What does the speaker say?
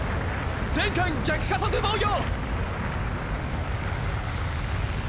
全艦逆加速防御！